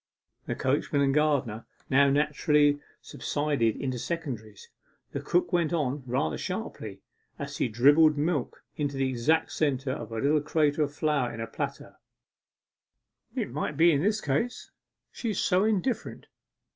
The coachman and gardener now naturally subsided into secondaries. The cook went on rather sharply, as she dribbled milk into the exact centre of a little crater of flour in a platter 'It might be in this case; she's so indifferent.